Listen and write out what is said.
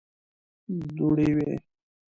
دوړې وې.